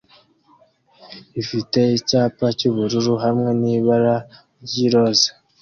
ifite icyapa cy'ubururu hamwe n'ibara ry'iroza